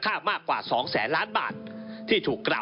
ก็ได้มีการอภิปรายในภาคของท่านประธานที่กรกครับ